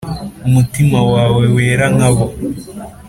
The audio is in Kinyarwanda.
umutima wawe wera nkabo